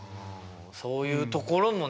そういうところもね。